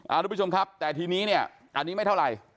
ทุกผู้ชมครับแต่ทีนี้เนี่ยอันนี้ไม่เท่าไหร่